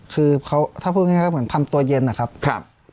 คือถ้าพูดง่ายก็เหมือนทำตัวเย็นนะครับ